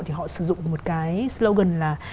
thì họ sử dụng một cái slogan là